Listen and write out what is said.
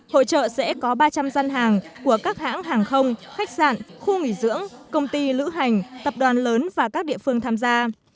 hội trợ sẽ có ba trăm linh dân hàng của các hãng hàng không khách sạn khu nghỉ dưỡng công ty lữ hành tập đoàn lớn và các địa phương tham gia